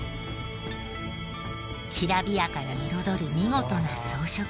きらびやかな彩り見事な装飾。